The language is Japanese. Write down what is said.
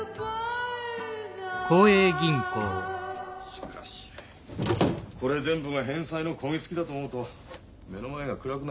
しかしこれ全部が返済の焦げつきだと思うと目の前が暗くなるよ。